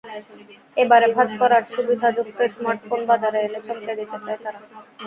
এবারে ভাঁজ করার সুবিধাযুক্ত স্মার্টফোন বাজারে এনে চমকে দিতে চায় তারা।